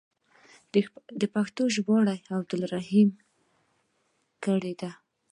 پښتو ژباړه یې عبدالرحیم کړې ده.